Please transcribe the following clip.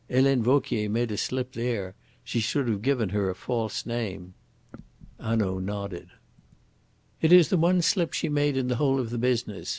"Helene Vauquier made a slip there. She should have given her a false name." Hanaud nodded. "It is the one slip she made in the whole of the business.